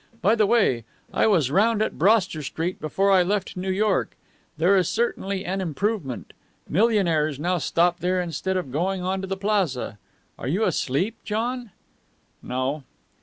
By the way, I was round at Broster Street before I left New York. There is certainly an improvement. Millionaires now stop there instead of going on to the Plaza. Are you asleep, John?" "No."